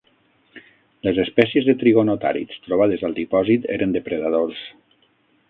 Les espècies de trigonotàrids trobades al dipòsit eren depredadors.